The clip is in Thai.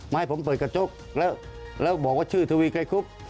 ให้ผมเปิดกระจกแล้วบอกว่าชื่อทวีใกล้คุบ